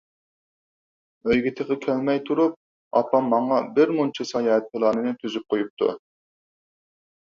ئۆيگە تېخى كەلمەي تۇرۇپ، ئاپام ماڭا بىر مۇنچە ساياھەت پىلانىنى تۈزۈپ قويۇپتۇ.